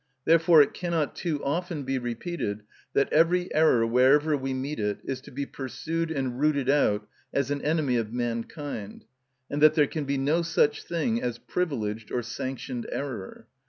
Therefore it cannot too often be repeated that every error wherever we meet it, is to be pursued and rooted out as an enemy of mankind, and that there can be no such thing as privileged or sanctioned error.